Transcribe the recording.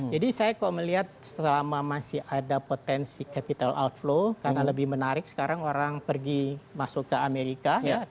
jadi saya kalau melihat selama masih ada potensi capital outflow karena lebih menarik sekarang orang pergi masuk ke amerika ya